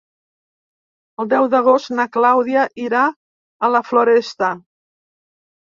El deu d'agost na Clàudia irà a la Floresta.